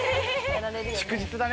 「祝日だね」